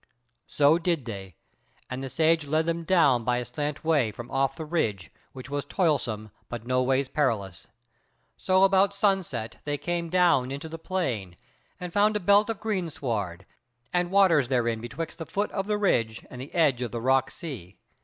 So did they, and the Sage led them down by a slant way from off the ridge, which was toilsome but nowise perilous. So about sunset they came down into the plain, and found a belt of greensward, and waters therein betwixt the foot of the ridge and the edge of the rock sea.